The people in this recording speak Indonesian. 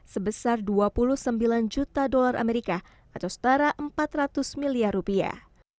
sebesar dua puluh sembilan juta dolar amerika atau setara empat ratus miliar rupiah